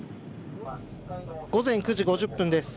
午前９時５０分です。